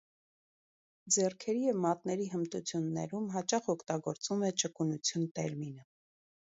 Ձեռքերի և մատների հմտություններում հաճախ օգտագործվում է ճկունություն տերմինը։